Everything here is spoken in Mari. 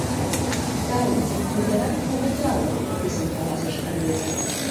— Тау, путырак кугу тау! — писын каласыш рвезе.